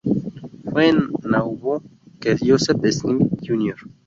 Fue en Nauvoo que Joseph Smith, Jr.